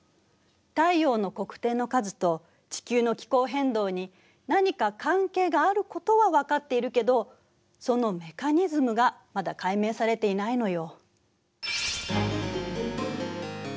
太陽の黒点の数と地球の気候変動に何か関係があることは分かっているけどそのメカニズムがまだ解明されていないのよ。